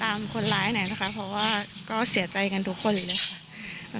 ฝากช่วยทำคนร้ายนะครับเพราะว่าก็เสียใจกับทุกคนเลยค่ะ